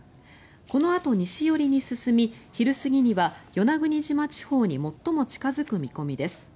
このあと西寄りに進み昼過ぎには与那国島地方に最も近付く見込みです。